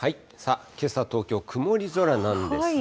けさ、東京、曇り空なんですが。